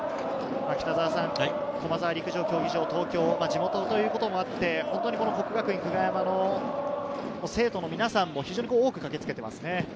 駒沢陸上競技場、東京地元ということもあって、國學院久我山の生徒の皆さんも多く駆けつけていますね。